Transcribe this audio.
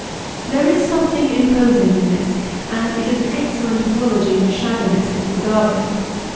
There is something im posing in this, and it is an excellent apology for shabbiness into the bargain.